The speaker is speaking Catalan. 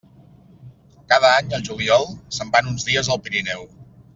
Cada any, al juliol, se'n van uns dies al Pirineu.